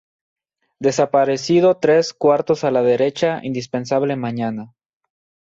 Desaparecido tres-cuartos ala derecha, indispensable mañana.